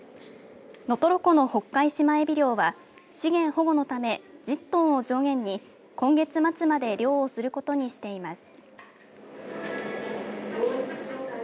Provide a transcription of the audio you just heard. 能取湖のホッカイシマエビ漁は資源保護のため１０トンを上限に今月末まで漁をすることにしています。